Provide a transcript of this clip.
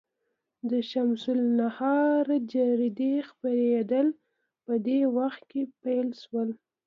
د شمس النهار جریدې خپرېدل په دې وخت کې پیل شول.